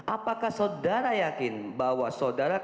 apakah saudara yakin bahwa saudara